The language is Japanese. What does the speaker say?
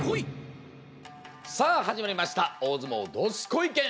さあ始まりました「大相撲どすこい研」。